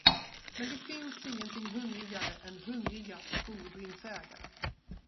Men det finns ingenting hungrigare än hungriga fordringsägare.